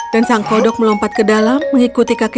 dan sang kodok melompat ke dalam mengikuti kaki sang putri